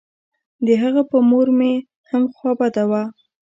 د هغه په مور مې هم خوا بده وه.